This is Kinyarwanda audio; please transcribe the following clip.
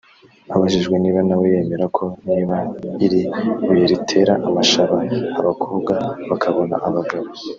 Abajijwe niba nawe yemera koko niba iri buye ritera amashaba abakobwa bakabona abagabo